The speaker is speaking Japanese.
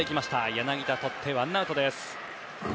柳田がとってワンアウトです。